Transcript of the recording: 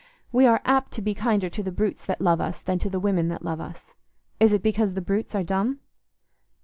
We are apt to be kinder to the brutes that love us than to the women that love us. Is it because the brutes are dumb?